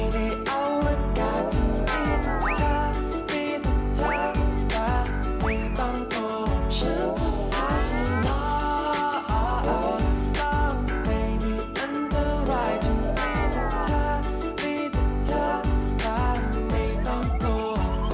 ดีแต่เธอดีแต่เธอรักไม่ต้องกลัว